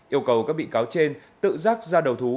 yêu cầu các bị cáo trên tự giác ra đầu thú